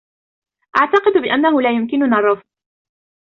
اعتقد بأنه لا يمكننا الرفض.